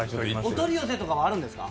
お取り寄せとかはあるんですか？